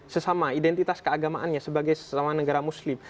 sesama identitas keagamaannya sebagai sesama negara muslim